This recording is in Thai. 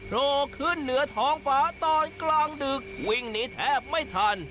โหลขึ้นเหนือท้องฟ้าตอนกลางดึกวิ่งหนีแทบไม่ทัน